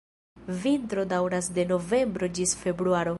Vintro daŭras de novembro ĝis februaro.